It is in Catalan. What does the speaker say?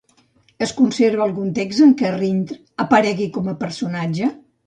Es conserva algun text en què Rindr aparegui com a personatge?